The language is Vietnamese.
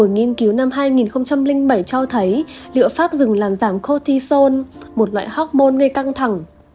nghiên cứu năm hai nghìn bảy cho thấy liệu pháp rừng làm giảm cortisone một loại hormôn gây căng thẳng